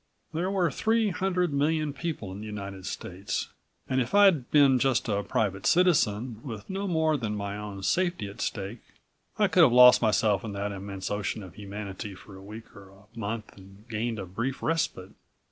There were three hundred million people in the United States, and if I'd been just a private citizen, with no more than my own safety at stake, I could have lost myself in that immense ocean of humanity for a week or a month and gained a brief respite.